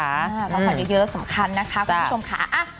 พักผ่อนเยอะสำคัญนะคะคุณผู้ชมค่ะ